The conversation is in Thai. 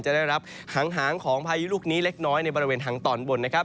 จะได้รับหางของพายุลูกนี้เล็กน้อยในบริเวณทางตอนบนนะครับ